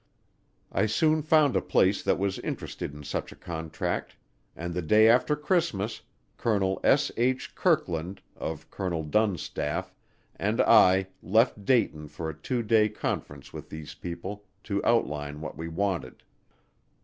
I soon found a place that was interested in such a contract, and the day after Christmas, Colonel S. H. Kirkland, of Colonel Dunn's staff, and I left Dayton for a two day conference with these people to outline what we wanted.